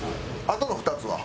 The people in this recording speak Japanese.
あとの２つは？